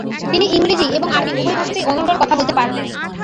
তিনি ইংরেজি এবং আরবী উভয় ভাষাতেই অনর্গল কথা বলতে পারতেন ।